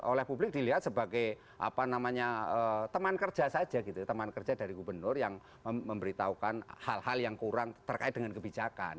jadi oleh publik dilihat sebagai apa namanya teman kerja saja gitu teman kerja dari gubernur yang memberitahukan hal hal yang kurang terkait dengan kebijakan